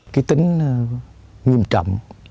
cái tính nghiêm trọng